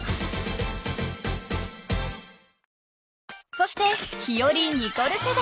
［そしてひより・ニコル世代］